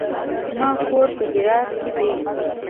زما کور په هرات کې دی.